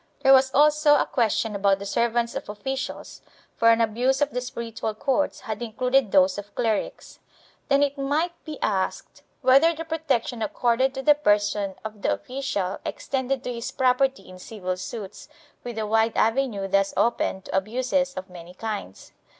There was also a question about the servants of officials, for an abuse of the spiritual courts had included those of clerics. Then it might be asked whether the protection accorded to the person of the official extended to his property in civil suits, with the wide avenue thus opened to abuses of many kinds.